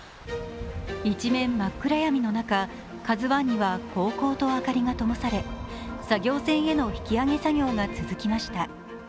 一面真っ暗闇の中、「ＫＡＺＵⅠ」にこうこうとと明かりがともされ作業船への引き揚げ作業が続きました。